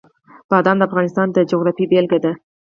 بادام د افغانستان د جغرافیې بېلګه ده.